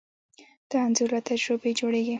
دا انځور له تجربې جوړېږي.